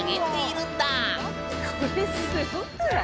これすごくない？